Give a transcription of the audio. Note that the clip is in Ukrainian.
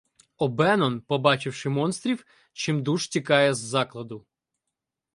О'Беннон, побачивши монстрів, чимдуж тікає з закладу.